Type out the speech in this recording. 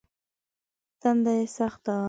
تنده يې سخته وه.